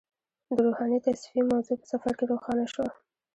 د روحاني تصفیې موضوع په سفر کې روښانه شوه.